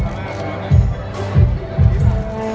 สโลแมคริปราบาล